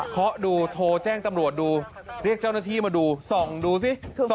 เขาดูโทรแจ้งตำรวจดูเรียกเจ้าหน้าที่มาดูส่องดูสิ